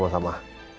ya pak sama sama